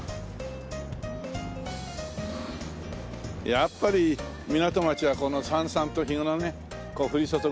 やっぱり港町はこのさんさんと日がねこう降り注ぐ